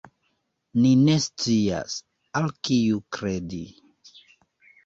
Ni ne scias, al kiu kredi.